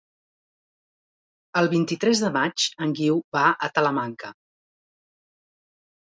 El vint-i-tres de maig en Guiu va a Talamanca.